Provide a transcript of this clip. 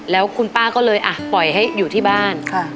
แล้วคุณป้าก็เลยปล่อยให้อยู่ที่บ้าน